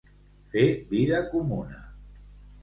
Fer vida comuna.